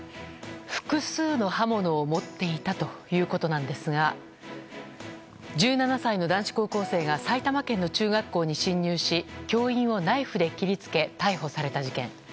複数の刃物を持っていたということなんですが１７歳の男子高校生が埼玉県の中学校に侵入し教員をナイフで切りつけ逮捕された事件。